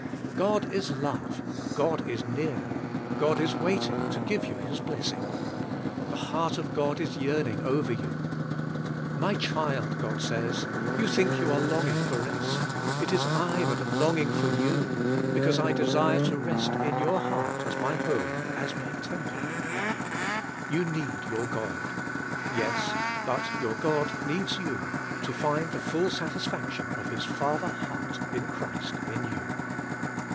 God is love. God is near. God is waiting to give you His blessing. The heart of God is yearning over you. "My child," God says, "you think you are longing for rest; it is I that am longing for you, because I desire to rest in your heart as My home, as My temple." You need your God. Yes, but youi God needs you, to find the full satisfac tion of His Father heart in Christ in you.